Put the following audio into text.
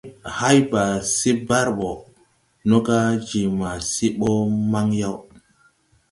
Hay ba sɛ bar bɔ, nɔga je ma sɛ bɔ mban yaw.